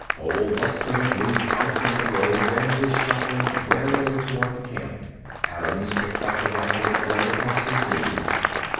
Old Buster had moved out from the grove and was shuffling warily toward the camp. Adams picked up the rifle that lay across his knees.